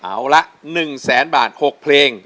เอาละ๑แสนบาท๖เพลง